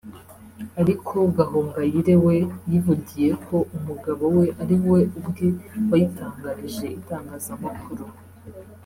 ariko Gahongayire we yivugiye ko “umugabo we ari we ubwe wayitangarije itangazamakuru